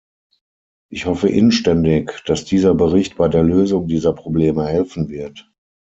Ich hoffe inständig, dass dieser Bericht bei der Lösung dieser Probleme helfen wird.